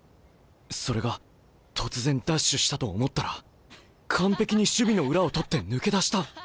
それが突然ダッシュしたと思ったら完璧に守備の裏を取って抜け出した！